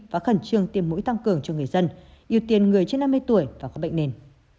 và khẩn trương tiêm mũi tăng cường cho người dân ưu tiên người trên năm mươi tuổi và có bệnh nền